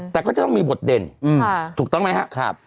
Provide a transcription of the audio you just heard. แต่ก็จะต้องมีบทเด่นถูกต้องไหมครับ